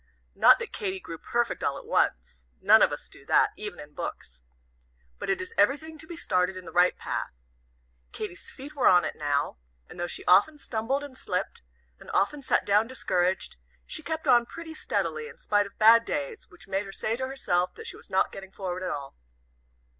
Not that Katy grew perfect all at once. None of us do that, even in books. But it is everything to be started in the right path. Katy's feet were on it now; and though she often stumbled and slipped, and often sat down discouraged, she kept on pretty steadily, in spite of bad days, which made her say to herself that she was not getting forward at all.